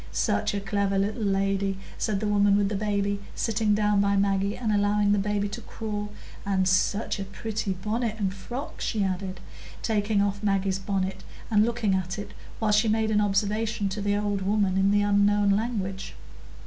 "Such a clever little lady," said the woman with the baby sitting down by Maggie, and allowing baby to crawl; "and such a pretty bonnet and frock," she added, taking off Maggie's bonnet and looking at it while she made an observation to the old woman, in the unknown language.